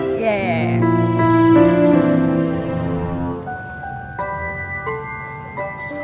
menunya pake bahasa inggris